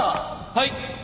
はい。